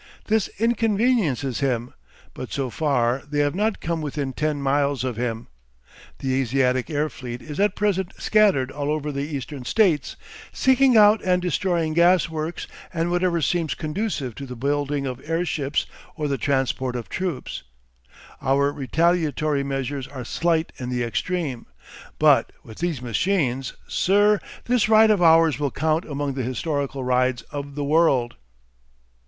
This inconveniences him, but so far they have not come within ten miles of him. The Asiatic air fleet is at present scattered all over the Eastern States, seeking out and destroying gas works and whatever seems conducive to the building of airships or the transport of troops. Our retaliatory measures are slight in the extreme. But with these machines Sir, this ride of ours will count among the historical rides of the world!"